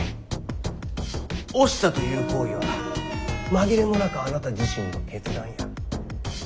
押したという行為は紛れもなくあなた自身の決断や。